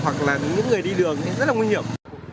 hoặc là những người đi đường thì rất là nguy hiểm